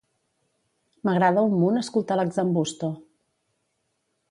M'agrada un munt escoltar Lax'n'Busto.